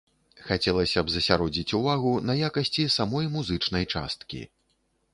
Хацелася б засяродзіць увагу на якасці самой музычнай часткі.